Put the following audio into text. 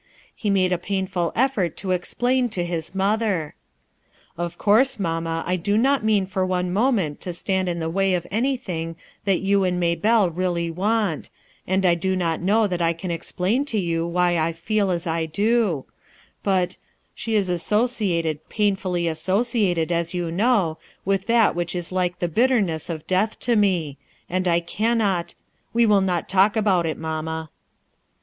He made a painful effort to explain to his mother. " Of course, mamma, I do not mean for one moment to stand in the way of anything that you and Maybelle really want, and I do not know that I can explain to you why I feel as 394 RUTH ERSKIXE'S SOX I do ; but she is associated, painfully associated as you know, with that which is like the bitt ness of death to me_ And I cannot — AV n cot talk about it, mamma."